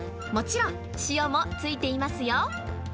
もちろん、塩もついていますよ。